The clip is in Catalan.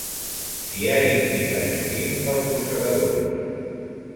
S'hi ha implicat sovint els rosegadors.